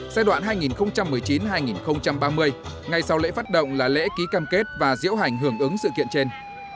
giai đoạn hai nghìn một mươi chín hai nghìn ba mươi ngay sau lễ phát động là lễ ký cam kết và diễu hành hưởng ứng sự kiện trên